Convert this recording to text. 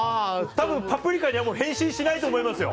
たぶんパプリカにはもう変身しないと思いますよ。